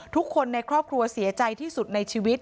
ทุกคนในครอบครัวเสียใจที่สุดในชีวิต